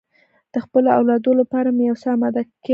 د خپلو اولادو لپاره مې یو څه اماده ګي هم نیولې ده.